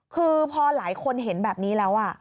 คือพอหลายคนเห็นแบบนี้แล้ว